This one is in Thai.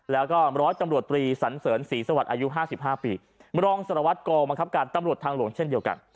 แล้วก็ร้อยตำรวจตรีสันเสริญศรีสวรรค์อายุ๕๕ปีรองสารวัตรกองบังคับการตำรวจทางหลวงเช่นเดียวกัน